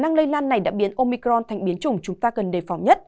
khả năng lây lan này đã biến omicron thành biến chủng chúng ta gần đề phòng nhất